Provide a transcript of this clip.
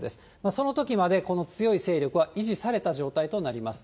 そのときまでこの強い勢力は維持された状態となります。